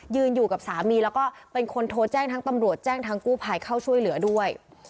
อยู่กับสามีแล้วก็เป็นคนโทรแจ้งทั้งตำรวจแจ้งทั้งกู้ภัยเข้าช่วยเหลือด้วย